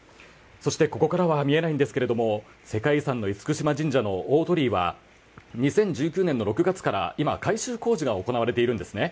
そして、ここからは見えないんですが世界遺産の厳島神社の大鳥居は２００９年の６月から今、改修工事が行われているんですね。